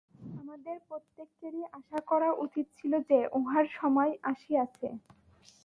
আমাদের প্রত্যেকেরই আশা করা উচিত ছিল যে, উহার সময় আসিয়াছে।